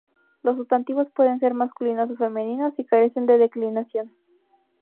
Los sustantivos pueden ser masculinos o femeninos y carecen de declinación.